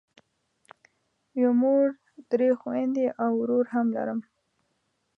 یوه مور درې خویندې او ورور هم لرم.